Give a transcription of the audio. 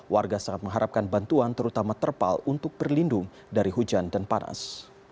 warga sangat mengharapkan bantuan terutama terpal untuk berlindung dari hujan dan panas